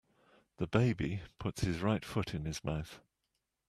The baby puts his right foot in his mouth.